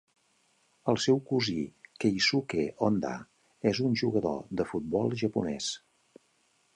El seu cosí Keisuke Honda és un jugador de futbol japonès.